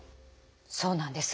そうなんです。